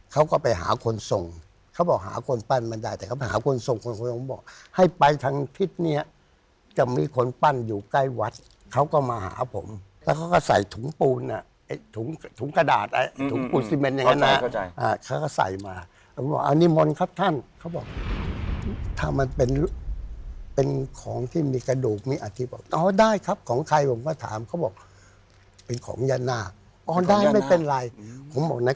เขาก็มาหาผมแล้วเขาก็ใส่ถุงปูนอ่ะถุงถุงกระดาษอ่ะถุงปูนเซเมนอย่างนั้นอ่ะเขาก็ใส่มาเขาบอกอันนี้มนต์ครับท่านเขาบอกถ้ามันเป็นเป็นของที่มีกระดูกมีอาทิตย์บอกอ๋อได้ครับของใครผมก็ถามเขาบอกเป็นของยาหน้าอ๋อได้ไม่เป็นไร